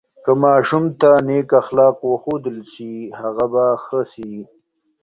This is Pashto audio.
که ماشوم ته نیک اخلاق وښودل سي، هغه به ښه سي.